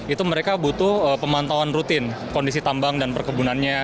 itu mereka butuh pemantauan rutin kondisi tambang dan perkebunannya